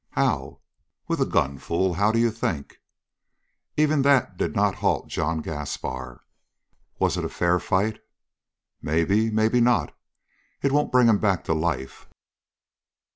"How?" "With a gun, fool. How d'you think?" Even that did not halt John Gaspar. "Was it a fair fight?" "Maybe maybe not. It won't bring him back to life!"